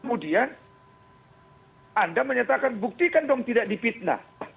kemudian anda menyatakan buktikan dong tidak dipitnah